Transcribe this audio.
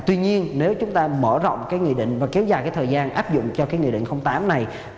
tuy nhiên nếu chúng ta mở rộng nghị định và kéo dài thời gian áp dụng cho nghị định tám này